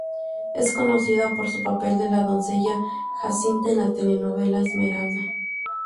Es conocida por su papel de la doncella Jacinta en la telenovela "Esmeralda".